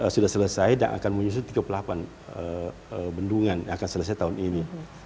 sudah selesai dan akan menyusun tiga puluh delapan bendungan yang akan selesai tahun ini